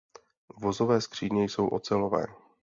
Vozové skříně jsou ocelové.